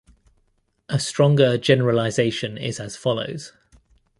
A stronger generalization is as follows.